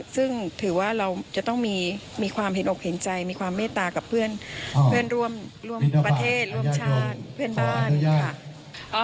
ซึ่งถือว่าเราจะต้องมีความเห็นอกเห็นใจมีความเมตตากับเพื่อนร่วมประเทศร่วมชาติเพื่อนบ้านค่ะ